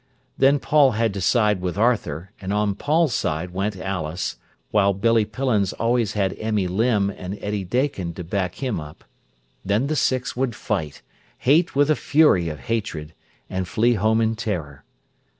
Then Paul had to side with Arthur, and on Paul's side went Alice, while Billy Pillins always had Emmie Limb and Eddie Dakin to back him up. Then the six would fight, hate with a fury of hatred, and flee home in terror.